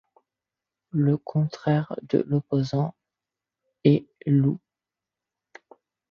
Le contraire de l'opposant est l' ou l'.